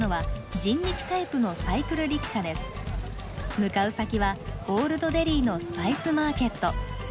向かう先はオールドデリーのスパイスマーケット。